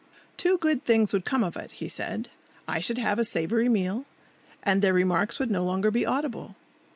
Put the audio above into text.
"Two good things would come of it," he said. "I should have a savoury meal, and their remarks would no longer be audible."